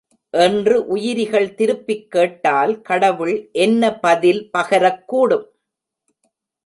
என்று உயிரிகள் திருப்பிக் கேட்டால் கடவுள் என்ன பதில் பகரக் கூடும்?